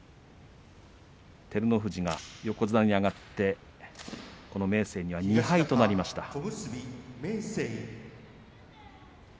照ノ富士が横綱に上がってこの明生には２敗となりました。